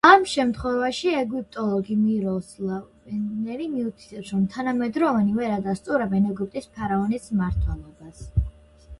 ამ შემთხვევაში ეგვიპტოლოგი მიროსლავ ვერნერი მიუთითებს, რომ თანამედროვენი ვერ ადასტურებენ ეგვიპტის ფარაონის მმართველობას.